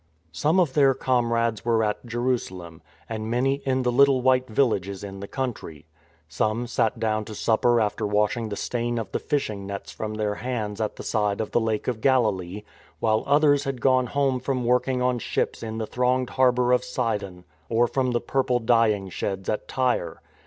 Some of their comrades were at Jerusalem, and many in the little white villages in the country. Some sat down to supper after washing the stain of the fishing nets from their hands at the side of the Lake of Galilee, while others had gone home from working on ships in the thronged harbour of Sidon or from the purple dyeing sheds at Tyre.